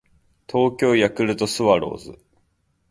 東京ヤクルトスワローズ